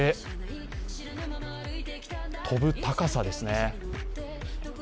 跳ぶ高さですね。